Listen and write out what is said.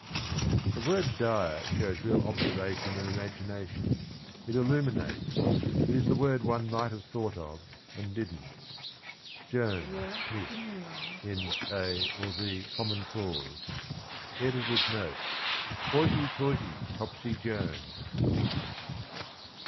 The word ' dire ' shows real observation and imagination. It illuminates — it is the word one might have thought of and didn't. — Jones (Miss) in A (or The) Common Cause. [Editor's Note. — Hoity toity, Topsy Jones!